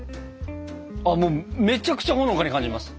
ああめちゃくちゃほのかに感じます。